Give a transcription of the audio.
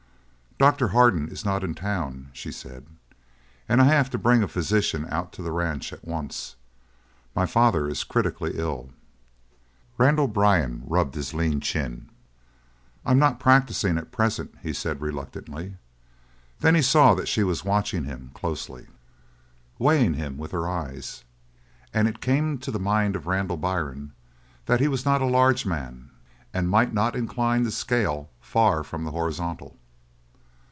"Doctor Hardin is not in town," she said, "and I have to bring a physician out to the ranch at once; my father is critically ill." Randall Byrne rubbed his lean chin. "I am not practicing at present," he said reluctantly. Then he saw that she was watching him closely, weighing him with her eyes, and it came to the mind of Randall Byrne that he was not a large man and might not incline the scale far from the horizontal.